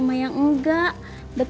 pertanyaan ayah juga disuri